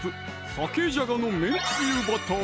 「鮭じゃがのめんつゆバター」